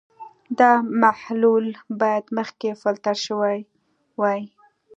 دا محلول باید مخکې فلټر شوی وي.